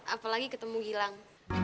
apalagi ketemu gilang